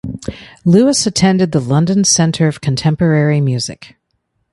Lewis attended the London Centre of Contemporary Music.